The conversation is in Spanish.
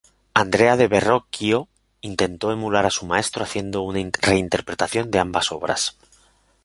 Andrea del Verrocchio intentó emular a su maestro haciendo una reinterpretación de ambas obras.